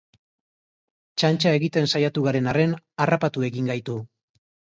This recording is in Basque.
Txantxa egiten saiatu garen arren, harrapatu egin gaitu.